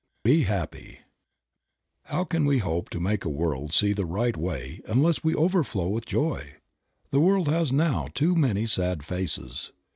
BE HAPPY. TTOW can we hope to make the world see the right way unless we overflow with joy? The world has now too many sad faces.